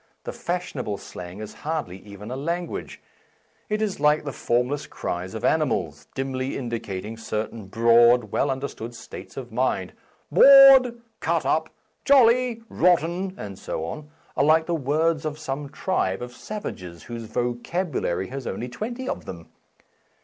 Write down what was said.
The fashionable slang is hardly even a language ; it is like the form A Defence of Slang less cries of animals, dimly indicating cer tain broad, well understood states of mind. "Bored," "cut up," "jolly,"' "rotten," and so on, are like the words of some tribe of savages whose vocabulary has only twenty of them.